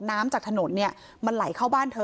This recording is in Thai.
น้ำจากถนนเนี่ยมันไหลเข้าบ้านเธอ